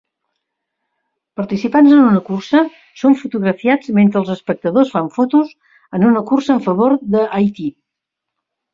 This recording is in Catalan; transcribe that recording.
Participants en una cursa són fotografiats mentre els espectadors fan fotos en una cursa en favor d'Haití.